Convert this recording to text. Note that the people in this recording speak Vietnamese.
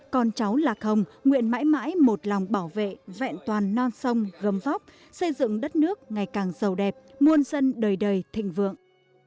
con cháu lạc hồng nguyện mãi mãi một lòng bảo vệ vẹn toàn non sông gâm vóc xây dựng đất nước ngày càng giàu đẹp muôn dân đời đầy thịnh vượng